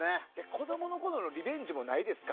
子供のころのリベンジもないですか？